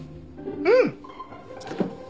うん。